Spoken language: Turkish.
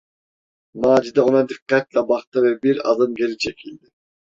Macide ona dikkatle baktı ve bir adım geri çekildi.